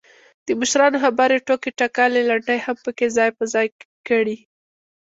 دمشرانو خبرې، ټوکې ټکالې، لنډۍ هم پکې ځاى په ځاى کړي.